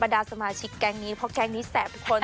ดาสมาชิกแก๊งนี้เพราะแก๊งนี้แสบทุกคน